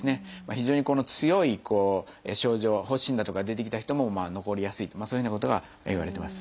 非常にこの強い症状発疹だとかが出てきた人も残りやすいとそういうふうなことがいわれてます。